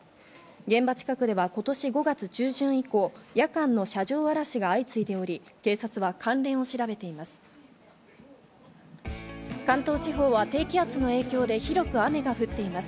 現場近くでは今年５月中旬以降、夜間の車上あらしが相次いでおり、警察は関連を調べています。